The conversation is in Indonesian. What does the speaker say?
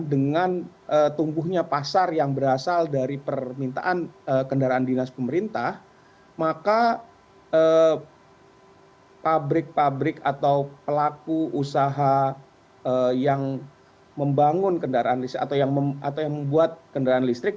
dengan tumbuhnya pasar yang berasal dari permintaan kendaraan dinas pemerintah maka pabrik pabrik atau pelaku usaha yang membuat kendaraan listrik